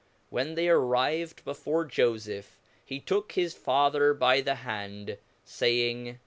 When they ar rived before Jofeph, he took his Father by the hand, faying, L 3 tr.